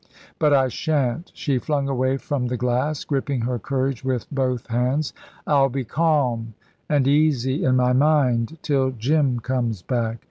But I shan't!" She flung away from the glass, gripping her courage with both hands. "I'll be calm, and easy in my mind, till Jim comes back.